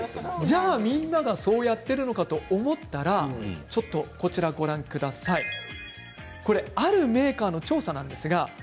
じゃあ、みんながそうやってるのかと思ったらあるメーカーの調査です。